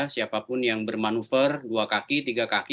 siapapun yang bermanuver dua kaki tiga kaki